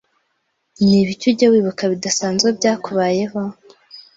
nibiki ujya wibuka bidasanzwe byakubayeho